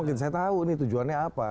mungkin saya tahu ini tujuannya apa